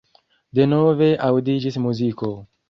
Denove aŭdiĝis muziko.